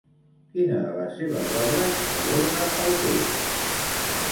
Quina de les seves obres aborda el text?